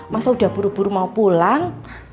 masa udah buru buru mau pulang